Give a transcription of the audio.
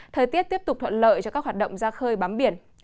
thời tiết tiếp tục thuận lợi cho các hoạt động ra khơi bám biển